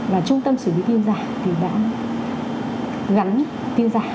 và trung tâm xử lý tin giả thì đã gắn tin giả